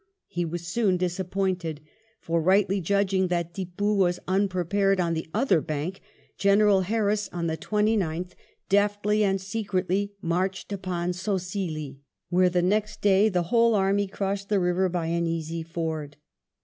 He was soon disappointed, for rightly judging ttat Tippoo was unprepared on the other bank, General Harris on the 29th deftly and 40 WELLINGTON secretly marched upon Sosilly, where the next day the whole army crossed the river by an easy ford.